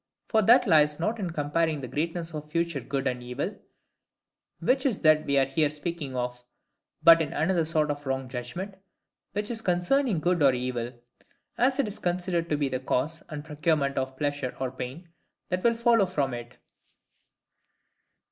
For that lies not in comparing the greatness of future good and evil, which is that we are here speaking of; but in another sort of wrong judgment, which is concerning good or evil, as it is considered to be the cause and procurement of pleasure or pain that will follow from it.